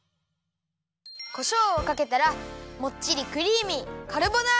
こしょうをかけたらもっちりクリーミー